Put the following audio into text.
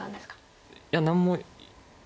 いや何も。